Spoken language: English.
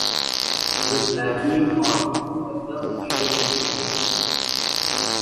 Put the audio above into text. With Lajoie gone, the club needed a new name.